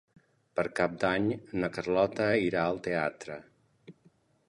Per Cap d'Any na Carlota irà al teatre.